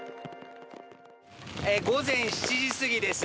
午前７時過ぎです。